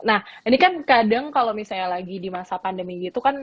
nah ini kan kadang kalau misalnya lagi di masa pandemi gitu kan